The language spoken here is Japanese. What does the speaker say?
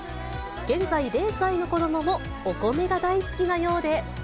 現在０歳の子どももお米が大好きなようで。